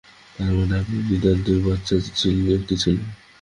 তার মানে আপনি নিতান্তই বাচ্চা একটি ছেলে।